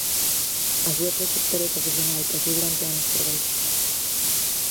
A súa traxectoria profesional pasou durante anos por Bélxica.